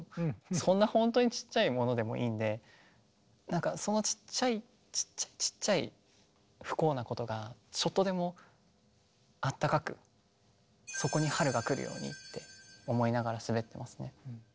そんな本当にちっちゃいものでもいいんでそのちっちゃいちっちゃいちっちゃい不幸なことがちょっとでもあったかくそこに春が来るようにって思いながら滑ってますね。